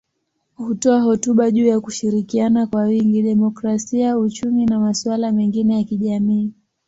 Hutoa hotuba juu ya kushirikiana kwa wingi, demokrasia, uchumi na masuala mengine ya kijamii.